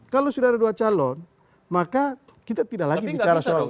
kalau sudah ada dua calon maka kita tidak lagi bicara soal